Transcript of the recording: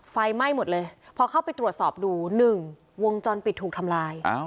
ไฟไหม้หมดเลยพอเข้าไปตรวจสอบดู๑วงจรปิดถูกทำลาย